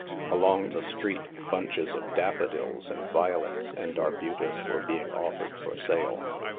Along the street, 274 THE MASK bunches of daffodils, and violets, and arbutus were being offered for sale.